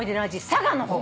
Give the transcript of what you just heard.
佐賀の方。